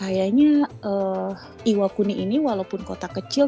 kayaknya iwakuni ini walaupun kota kecil